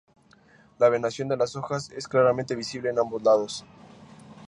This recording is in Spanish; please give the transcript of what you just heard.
La venación de las hojas es claramente visible en ambos lados.